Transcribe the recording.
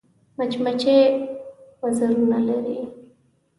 مچمچۍ وزرونه لري